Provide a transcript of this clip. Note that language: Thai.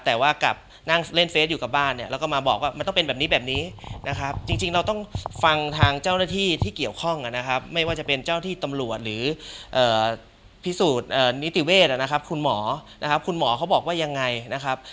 แต่ว่ากลับนั่งเล่นเฟสอยู่กับบ้านเนี่ยแล้วก็มาบอกว่ามันต้องเป็นแบบนี้แบบนี้นะครับจริงเราต้องฟังทางเจ้าหน้าที่ที่เกี่ยวข้องนะครับไม่ว่าจะเป็นเจ้าที่ตำรวจหรือพิสูจน์นิติเวศนะครับคุณหมอนะครับคุณหมอเขาบอกว่ายังไงนะครับ